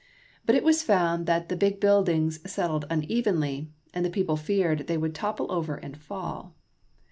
But it was found that the big build ings settled unevenly, and the people feared they would topple over and fall.